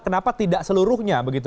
kenapa tidak seluruhnya begitu